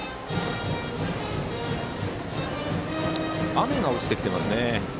雨が落ちてきていますね。